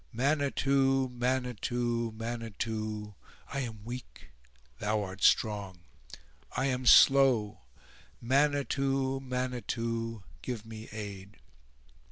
"Manitou! Manitou! Manitou! I am weak—thou art strong; I am slow; Manitou! Manitou! Give me aid."